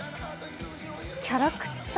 キャラクター？